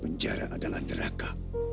penjara adalah teraka